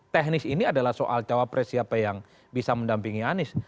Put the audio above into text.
teknis ini adalah soal cawapres siapa yang bisa mendampingi anies